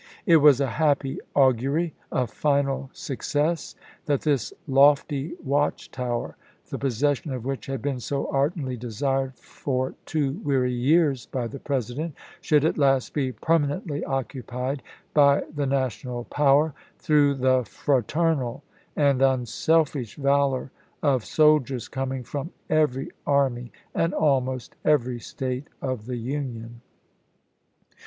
It was a happy augury of final success that this lofty watchtower, the pos session of which had been so ardently desired for two weary years by the President, should at last be permanently occupied by the National power, through the fraternal and unselfish valor of soldiers coming from every Army and almost every State of the Union.